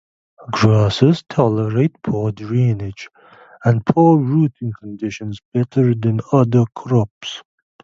Grasses tolerate poor drainage and poor rooting conditions better than other crops.